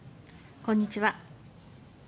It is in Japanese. こんにちは。